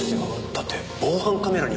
だって防犯カメラには。